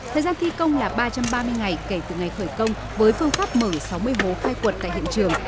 thời gian thi công là ba trăm ba mươi ngày kể từ ngày khởi công với phương pháp mở sáu mươi hố khai quật tại hiện trường